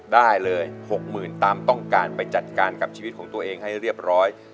ได้เลย๖๐๐๐ตามต้องการไปจัดการกับชีวิตของตัวเองให้เรียบร้อย